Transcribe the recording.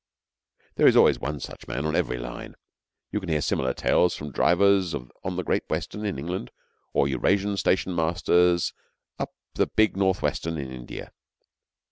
There is always one such man on every line. You can hear similar tales from drivers on the Great Western in England or Eurasian stationmasters on the big North Western in India.